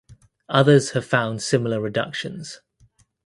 Others have found similar reductions.